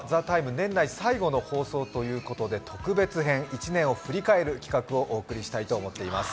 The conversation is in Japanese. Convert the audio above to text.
年内最後の放送ということで特別編、１年を振り返る企画をお送りしたいと思います。